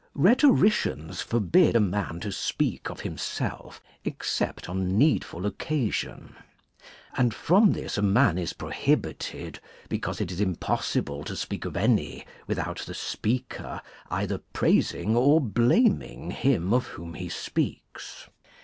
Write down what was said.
Rhetoricians forbid a man to speak of a. himself, except on needful occasion. And from this a man is prohibited, because it is impossible to speak of any without the speaker lo THE CONVIVIO Ch. On self either praising or blaming him [^203 of whom ^""^h?^" he speaks.